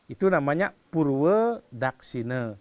itu namanya purwodaksina